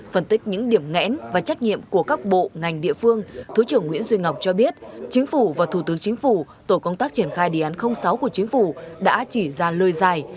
phân tích những điểm ngẽn và trách nhiệm của các bộ ngành địa phương thứ trưởng nguyễn duy ngọc cho biết chính phủ và thủ tướng chính phủ tổ công tác triển khai đề án sáu của chính phủ đã chỉ ra lời dài